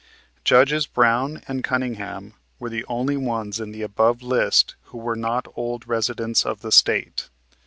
Judges Brown and Cunningham were the only ones in the above list who were not old residents of the State.